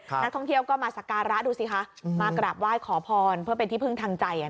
นักท่องเที่ยวก็มาสการะดูสิคะมากราบไหว้ขอพรเพื่อเป็นที่พึ่งทางใจ